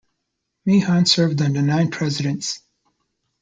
Meehan served under nine presidents.